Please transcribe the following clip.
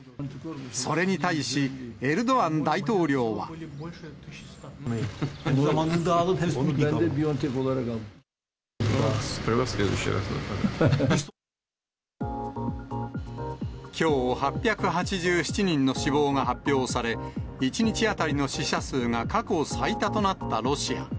それに対し、エルドアン大統領は。きょう８８７人の死亡が発表され、１日当たりの死者数が過去最多となったロシア。